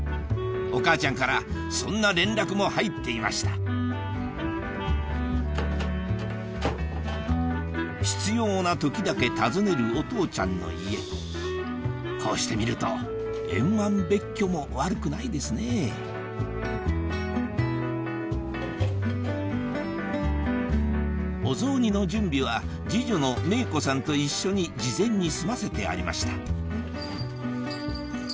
お母ちゃんからそんな連絡も入っていました必要な時だけ訪ねるお父ちゃんの家こうしてみると円満別居も悪くないですねぇお雑煮の準備は二女の芽衣子さんと一緒に事前に済ませてありました